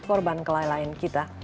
korban kelalaian kita